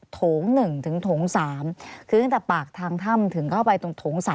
โถง๑ถึงโถง๓คือตั้งแต่ปากทางถ้ำถึงเข้าไปตรงโถง๓